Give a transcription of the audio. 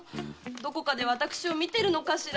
どこかで私を見てるのかしら？